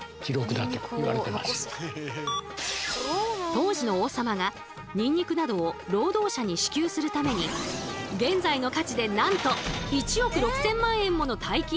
当時の王様がニンニクなどを労働者に支給するために現在の価値でなんと１億６千万円もの大金をつぎ込んだという話も。